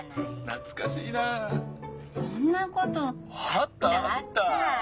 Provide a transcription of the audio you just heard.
あったあった！